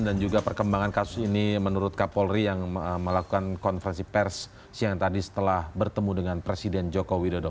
dan juga perkembangan kasus ini menurut kapolri yang melakukan konferensi pers siang tadi setelah bertemu dengan presiden joko widodo